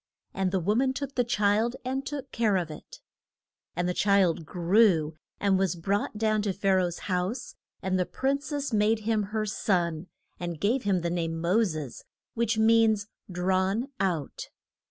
And the wo man took the child and took care of it. [Illustration: THE FIND ING OF MO SES.] And the child grew, and was brought down to Pha ra oh's house, and the prin cess made him her son, and gave him the name of Mo ses: which means "Drawn out."